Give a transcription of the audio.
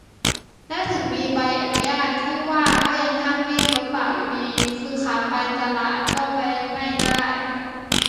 และถึงมีใบอนุญาตที่ว่าก็ยังห้ามวิ่งรถเปล่าอยู่ดี คือขาไปตลาดก็ไปไม่ได้